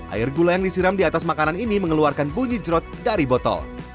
air gula yang disiram di atas makanan ini mengeluarkan bunyi jerot dari botol